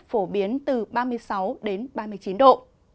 phổ biến từ ba mươi sáu ba mươi chín độ